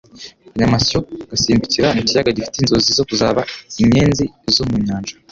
Akanyamasyo gasimbukira mu kiyaga gifite inzozi zo kuzaba inyenzi zo mu nyanja.